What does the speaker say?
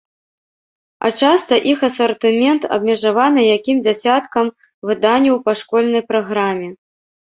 А часта іх асартымент абмежаваны якім дзясяткам выданняў па школьнай праграме.